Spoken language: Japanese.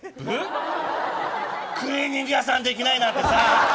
クリーニング屋さんできないなんてさ。